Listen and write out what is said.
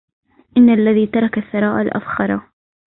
إن الذي ترك الثراء الأفخرا